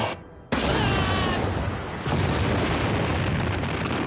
うわーっ！